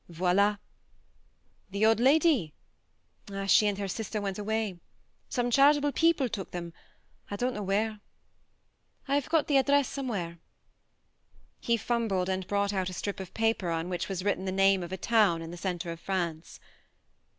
Voila. ... The old lady ? Ah, she and her sister went away ... some charitable people took them, I don't know where. ... I've got the address somewhere. ..." He fumbled, and brought out a strip of paper on which was written the name of a town in the centre of France.